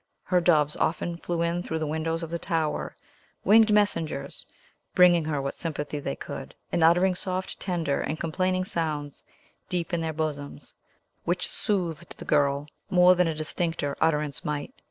Her doves often flew in through the windows of the tower, winged messengers, bringing her what sympathy they could, and uttering soft, tender, and complaining sounds, deep in their bosoms, which soothed the girl more than a distincter utterance might.